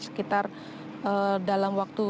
sekitar dalam waktu